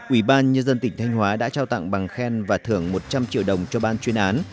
ủy ban nhân dân tỉnh thanh hóa đã trao tặng bằng khen và thưởng một trăm linh triệu đồng cho ban chuyên án